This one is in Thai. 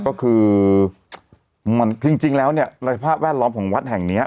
ก็คือมันจริงแล้วเนี่ยในสภาพแวดล้อมของวัดแห่งนี้